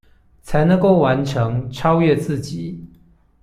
才能夠完成、超越自己